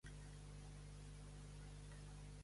Juan el de la Vara és un cantant nascut a Barcelona.